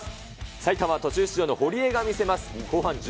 埼玉、途中出場の堀江が見せます。